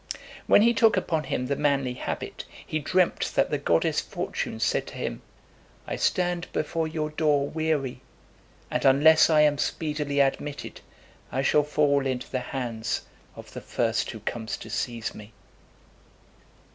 When he took upon him the manly habit, he dreamt that the goddess Fortune said to him, "I stand before your door weary; and unless I am speedily admitted, I shall fall into the hands of the first who comes to seize me."